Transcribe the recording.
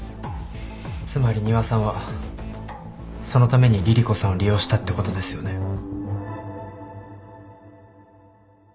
つまり仁和さんはそのために凛々子さんを利用したってことですよね。